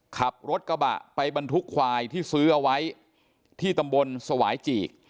ขับรถกระบะไปบรรทุกควายที่ซื้อเอาไว้ที่ตำบลสวายจีก